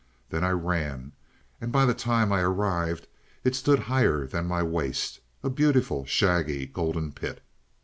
Then I ran, and by the time I arrived it stood higher than my waist a beautiful, shaggy, golden pit.